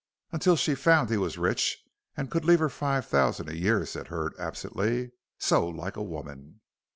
"Until she found he was rich and could leave her five thousand a year," said Hurd, absently; "so like a woman."